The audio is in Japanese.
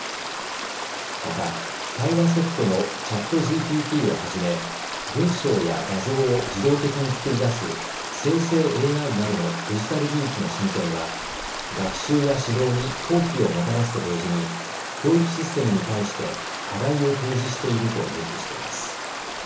また対話ソフトのチャットＧＰＴをはじめ文章や画像を自動的に作り出す生成ＡＩなどのデジタル技術の進展は学習や指導に好機をもたらすと同時に教育システムに対して課題を提示していると明記しています。